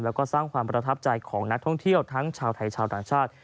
แล้วก็สร้างความประทับใจของนักท่องเที่ยวทั้งชาวไทยชาวต่างชาติ